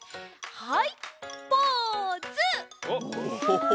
はい！